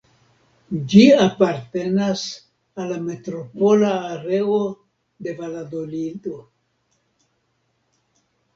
Ĝi apartenas al la Metropola Areo de Valadolido.